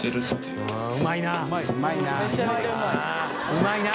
うまいな。